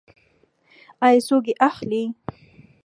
آیا څوک یې اخلي؟